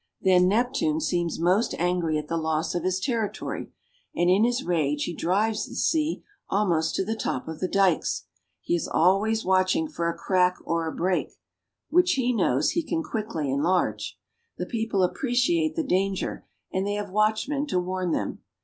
Then Neptune seems most angry at the loss of his territory, and in his rage he drives the sea almost to the top of the dikes. He is always watching for a crack or a break, which he knows he A COUNTRY BELOW THE SEA. 1 37 can quickly enlarge. The people appreciate the danger, and they have watchmen to warn them.